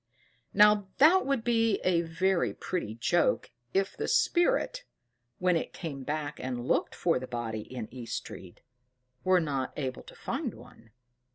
Now that would be a very pretty joke, if the spirit when it came back and looked for the body in East Street, were not to find one.